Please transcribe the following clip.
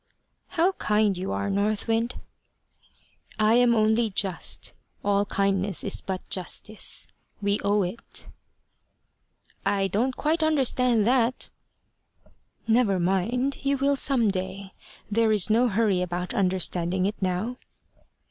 "How kind you are, North Wind!" "I am only just. All kindness is but justice. We owe it." "I don't quite understand that." "Never mind; you will some day. There is no hurry about understanding it now."